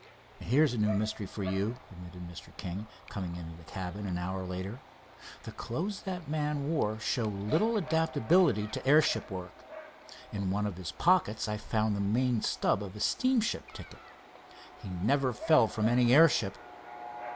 "Here's a new mystery for you," admitted Mr. King, coming into the cabin an hour later. "The clothes that man wore show little adaptability to airship work. In one of his pockets I found the main stub of a steamship ticket. He never fell from any airship.